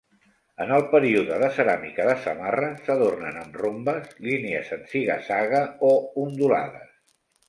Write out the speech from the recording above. En el període de ceràmica de Samarra s'adornen amb rombes, línies en ziga-zaga o ondulades.